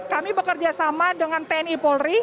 kami bekerja sama dengan tni polri